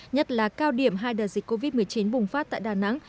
nhất là cao điểm hai đợt dịch covid một mươi chín bùng phát tại đà nẵng